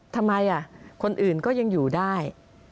ทำไมคนอื่นก็ยังอยู่ได้